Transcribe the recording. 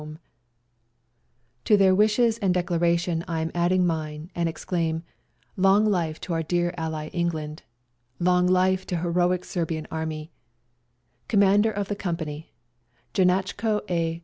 M WE GO TO CORFU 229 " To their wishes and declaration I am adding mine and exclaim :" Long life to our dear ally England, " Long life to heroic Serbian Army, " Commander of the Company, " Janachko a.